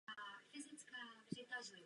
Nepředpokládá takovou situaci.